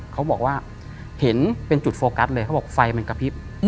เขาบอกว่าเห็นเป็นจุดโฟกัสเลยเขาบอกไฟมันกระพริบ